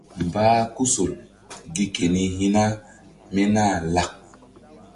Mbah kuhsol gi keni hi̧na mí nah lak.